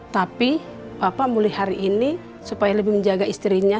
tapi papa mulih hari ini supaya lebih menjaga istrinya